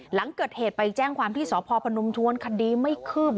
หลังเกิดเหตุไปแจ้งความที่สพพนมชวนคดีไม่คืบ